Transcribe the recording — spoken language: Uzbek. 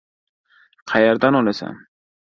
— Qayerdan olasan?